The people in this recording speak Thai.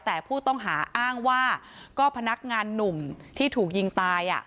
แต่ผู้ต้องหาอ้างว่าก็พนักงานหนุ่มที่ถูกยิงตาย